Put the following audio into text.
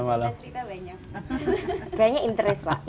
kayaknya interest pak